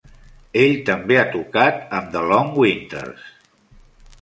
Ell també ha tocat amb The Long Winters.